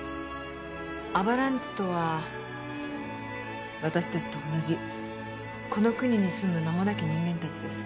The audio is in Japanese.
アバランチとは私たちと同じこの国に住む名もなき人間たちです。